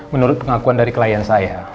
menurut pengakuan dari klien saya